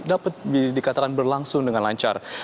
dapat dikatakan berlangsung dengan lancar